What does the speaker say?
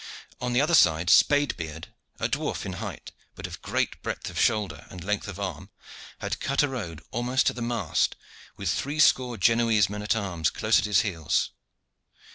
On the other side, Spade beard, a dwarf in height, but of great breadth of shoulder and length of arm, had cut a road almost to the mast, with three score Genoese men at arms close at his heels.